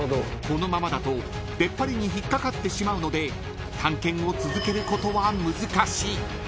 ［このままだと出っ張りに引っ掛かってしまうので探検を続けることは難しい］